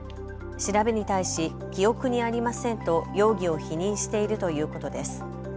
調べに対し、記憶にありませんと容疑を否認しているということです。